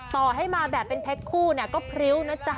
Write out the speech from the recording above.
ต่อให้มาแบบเป็นแพ็คคู่เนี่ยก็พริ้วนะจ๊ะ